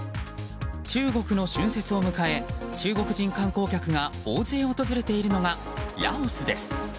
中国の春節を迎え中国人観光客が大勢訪れているのがラオスです。